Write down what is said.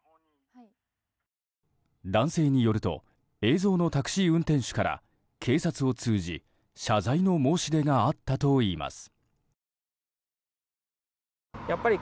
男性によると映像のタクシー運転手から警察を通じ、謝罪の申し出があったといいます。